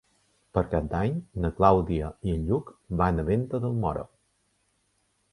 Per Cap d'Any na Clàudia i en Lluc van a Venta del Moro.